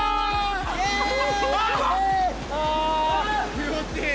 気持ちいい。